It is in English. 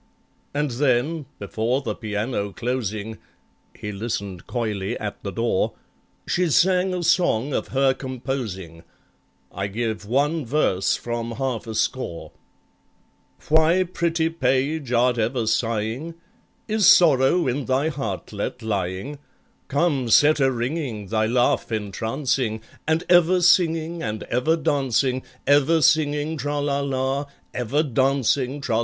And then, before the piano closing (He listened coyly at the door), She sang a song of her composing— I give one verse from half a score: BALLAD Why, pretty page, art ever sighing? Is sorrow in thy heartlet lying? Come, set a ringing Thy laugh entrancing, And ever singing And ever dancing. Ever singing, Tra! la! la! Ever dancing, Tra! la! la!